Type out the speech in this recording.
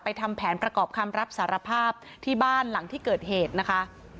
ทำแผนประกอบคำรับสารภาพที่บ้านหลังที่เกิดเหตุนะคะ